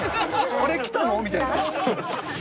あれ来たの？みたいな。